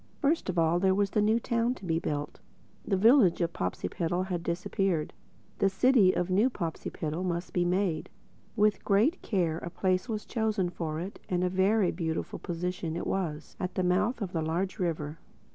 First of all there was the new town to be built. The village of Popsipetel had disappeared: the City of New Popsipetel must be made. With great care a place was chosen for it—and a very beautiful position it was, at the mouth of a large river.